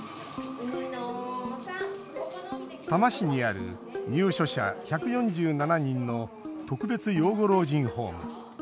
多摩市にある入所者１４７人の特別養護老人ホーム。